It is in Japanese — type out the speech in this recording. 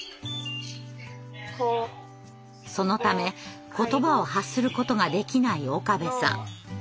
そのため言葉を発することができない岡部さん。